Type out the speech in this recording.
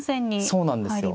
そうなんですよ。